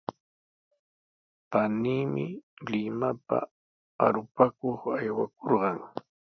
Paniimi Limapa arupakuq aywakurqan.